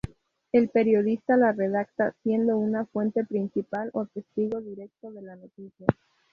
El periodista la redacta siendo una fuente principal o testigo directo de la noticia.